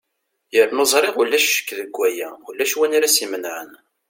yernu ẓriɣ ulac ccek deg waya ulac win ara s-imenɛen